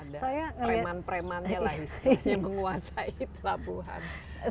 ada preman premannya lah istilahnya menguasai pelabuhan